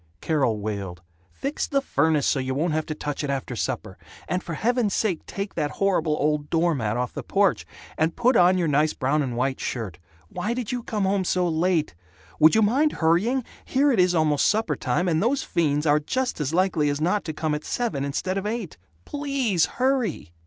Carol wailed, "Fix the furnace so you won't have to touch it after supper. And for heaven's sake take that horrible old door mat off the porch. And put on your nice brown and white shirt. Why did you come home so late? Would you mind hurrying? Here it is almost suppertime, and those fiends are just as likely as not to come at seven instead of eight. PLEASE hurry!"